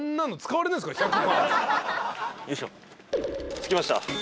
着きました。